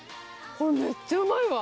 これめっちゃうまいわ。